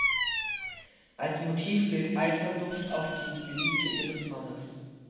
Als Motiv gilt Eifersucht auf die Geliebte ihres Mannes.